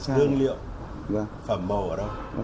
dưới miệng phẩm màu ở đâu